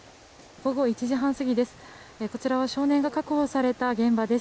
午後１時半過ぎです。